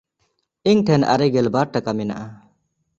ᱤᱧ ᱴᱷᱮᱱ ᱟᱨᱮ ᱜᱮᱞ ᱵᱟᱨ ᱴᱟᱠᱟ ᱢᱮᱱᱟᱜᱼᱟ᱾